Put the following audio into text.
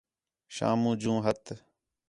شامو جوں ہتھ